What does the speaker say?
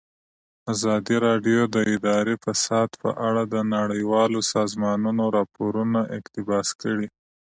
ازادي راډیو د اداري فساد په اړه د نړیوالو سازمانونو راپورونه اقتباس کړي.